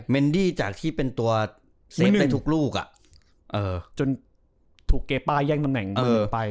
เนดี้จากที่เป็นตัวเซฟได้ทุกลูกจนถูกเกป้าแย่งตำแหน่งมือไป